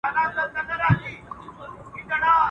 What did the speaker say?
تاريخي خواړه د لاسونو سره خوړل کېدل.